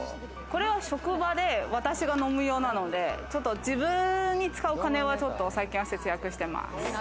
これは職場で私が飲むようなので、自分に使うお金は最近は節約してます。